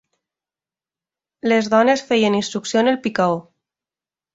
Les dones feien instrucció en el picador